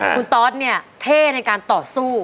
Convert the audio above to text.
คุณตอสเนี่ยเท่ในการต่อสู้